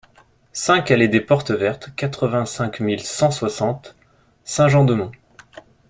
cinq allée des Portes Vertes, quatre-vingt-cinq mille cent soixante Saint-Jean-de-Monts